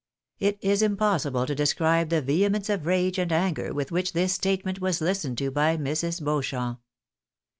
It is impossible to describe the vehemence of rage and anger with which this state ment was listened to by Mrs. Beauchamp.